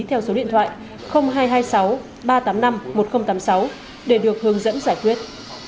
theo số điện thoại hai trăm hai mươi sáu ba trăm tám mươi năm một nghìn tám mươi sáu để được hướng dẫn giải quyết